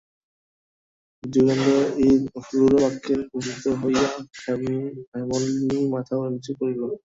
যোগেন্দ্রের এই রূঢ়বাক্যে ব্যথিত হইয়া হেমনলিনী মাথা নিচু করিল।